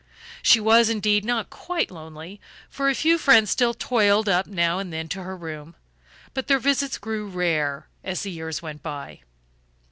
She was, indeed, not quite lonely, for a few friends still toiled up now and then to her room; but their visits grew rare as the years went by.